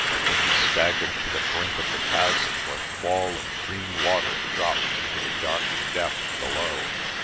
Then he staggered to the brink of the chasm where the wall of green water dropped into the dark depth below.